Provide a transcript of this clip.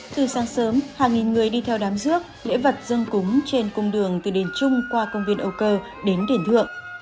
từ sáng sớm hàng nghìn người đi theo đám dước lễ vật dân cúng trên cung đường từ đền trung qua công viên âu cơ đến đền thượng